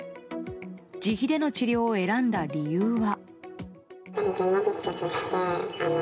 自費での治療を選んだ理由は。